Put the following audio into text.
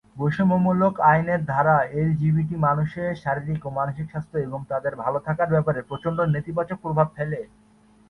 বৈষম্যমূলক আইনের ধারা এলজিবিটি মানুষদের শারীরিক ও মানসিক স্বাস্থ্য এবং তাঁদের ভাল থাকার ব্যাপারে প্রচণ্ড নেতিবাচক প্রভাব ফেলে।